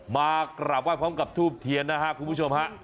มากราบไห้พร้อมกับทูบเทียนนะครับคุณผู้ชมฮะ